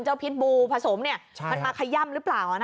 เจ้าพิษบูผสมมันจะขย่ำรึเปล่า